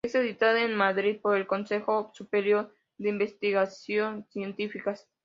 Es editada en Madrid por el Consejo Superior de Investigaciones Científicas.